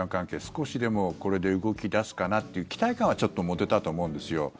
少しでもこれで動き出すかなっていう期待感は持てたと思うんですよ。